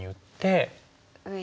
上に。